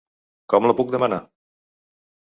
Com la puc demanar?